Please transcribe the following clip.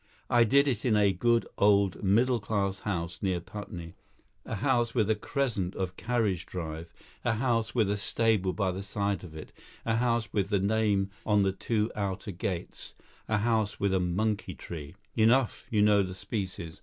I did it in a good old middle class house near Putney, a house with a crescent of carriage drive, a house with a stable by the side of it, a house with the name on the two outer gates, a house with a monkey tree. Enough, you know the species.